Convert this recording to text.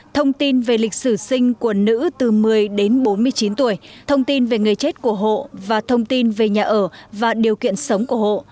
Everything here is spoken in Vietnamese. thông tin về lịch sử sinh của nữ từ một mươi đến bốn mươi chín tuổi thông tin về người chết của hộ và thông tin về nhà ở và điều kiện sống của hộ